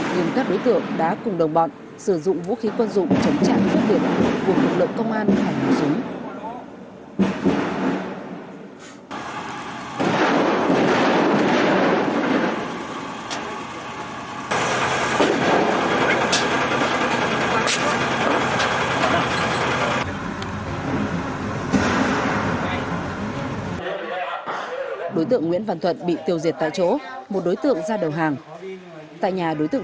nhưng các đối tượng đã cùng đồng bọn sử dụng vũ khí quân dụng chống trạng phát biệt của lực lượng công an hành hủy xuống